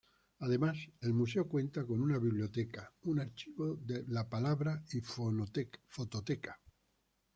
Además, el museo cuenta con una Biblioteca, un Archivo de la Palabra y Fototeca.